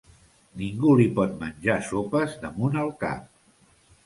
Ningú li pot menjar sopes damunt el cap.